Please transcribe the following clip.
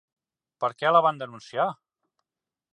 Per què la van denunciar?